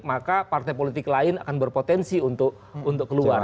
maka partai politik lain akan berpotensi untuk keluar